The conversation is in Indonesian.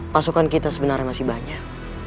pasukan kita sebenarnya masih banyak